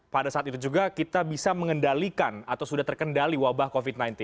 pada saat itu juga kita bisa mengendalikan atau sudah terkendali wabah covid sembilan belas